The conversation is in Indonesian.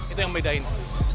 itu yang membedainya